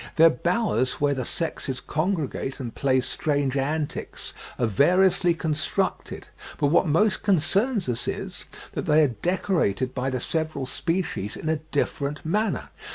Their bowers (Fig. 46), where the sexes congregate and play strange antics, are variously constructed, but what most concerns us is, that they are decorated by the several species in a different manner.